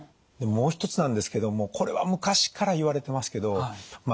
もう一つなんですけどもこれは昔からいわれてますけど